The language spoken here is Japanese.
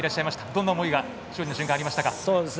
どんな思いが勝利の瞬間、ありましたか？